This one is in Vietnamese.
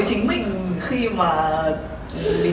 trẻ trung như vậy